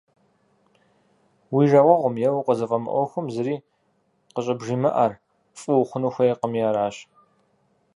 Уи жагъуэгъум, е укъызыфӀэмыӀуэхум зыри къыщӀыбжимыӀэр, фӀы ухъуну хуейкъыми аращ.